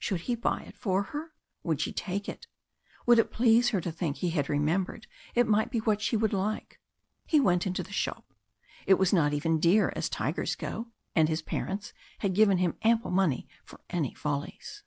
Should he buy it for her? Would she take it? Would it please her to think he had remembered it might be what she would like? He went into the shop. It was not even dear as tigers go, and his parents had given him ample money for any follies.